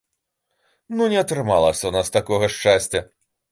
Ну, не атрымалася ў нас такога шчасця.